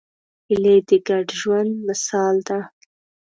هیلۍ د ګډ ژوند مثال ده